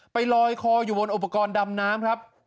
ไปลอยคออยู่บนอุปกรณ์ดำน้ำครับ